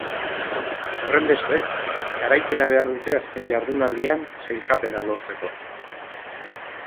Horrenbestez, garaipena behar dute azken jardunaldian sailkapena lortzeko.